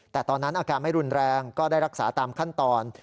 แต่ตอนนั้นอาการไม่รุนแรงก็ได้รักษาตามขั้นตอน